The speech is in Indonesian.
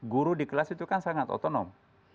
guru di kelas itu kan sangat otonom